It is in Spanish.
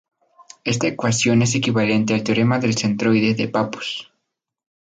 Esta ecuación es equivalente al Teorema del centroide de Pappus.